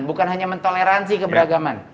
bukan hanya mentoleransi keberagaman